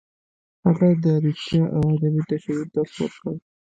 هغه د رښتیا او عدم تشدد درس ورکړ.